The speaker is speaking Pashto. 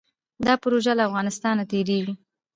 دا پروژه له افغانستان تیریږي